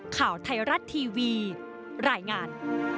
ข่าวไทยรัฐทีวีรายงาน